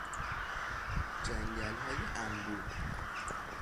جنگلهای انبوه